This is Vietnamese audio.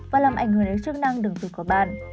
và làm ảnh hưởng đến chức năng đường dụng của bạn